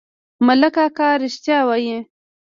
ملک اکا رښتيا وايي.